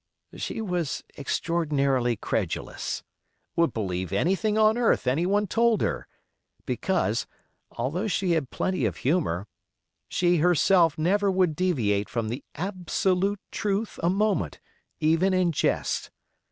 She was extraordinarily credulous—would believe anything on earth anyone told her, because, although she had plenty of humor, she herself never would deviate from the absolute truth a moment, even in jest.